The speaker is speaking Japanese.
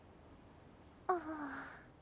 ああ。